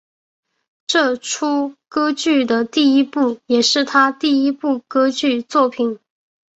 这出歌剧的第一部也是他第一部歌剧作品。